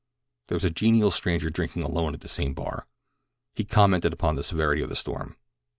There was a genial stranger drinking alone at the same bar. He commented upon the severity of the storm.